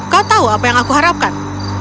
kau tahu apa yang aku harapkan